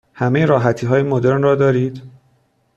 همه راحتی های مدرن را دارید؟